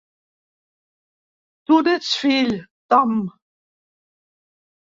Tu n'ets fill, Tom.